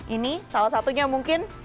ini salah satunya mungkin